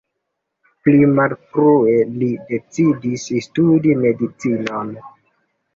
Pli malfrue li decidis studi medicinon.